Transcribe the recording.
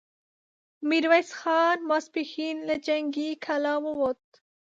ميرويس خان ماسپښين له جنګي کلا ووت،